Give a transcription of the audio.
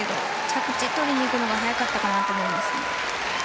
着地をとりにいくのが早かったかなと思います。